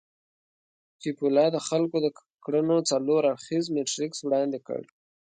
چیپولا د خلکو د کړنو څلور اړخييز میټریکس وړاندې کړ.